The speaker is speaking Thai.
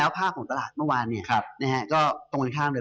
ผ้าของตลาดเมื่อวานก็ตรงร่างกาย